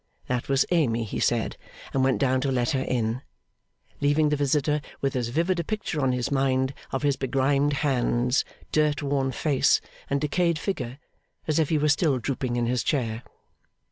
That was Amy, he said, and went down to let her in; leaving the visitor with as vivid a picture on his mind of his begrimed hands, dirt worn face, and decayed figure, as if he were still drooping in his chair.